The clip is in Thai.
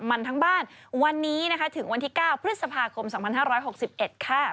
มันทั้งบ้านวันนี้นะคะถึงวันที่๙พฤษภาคม๒๕๖๑ค่ะ